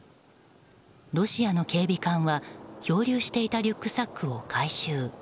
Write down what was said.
ロシアの警備艦は漂流していたリュックサックを回収。